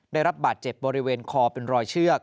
ได้รับบาดเจ็บบริเวณคอเป็นรอยเชือก